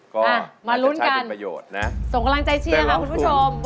ก็มารุ้นกันส่งกำลังใจเชียวคุณผู้ชม